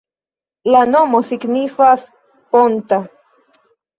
La nomo signifas: ponta.